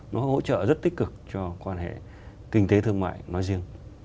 nó hỗ trợ rất tích cực cho quan hệ kinh tế thương mại nói riêng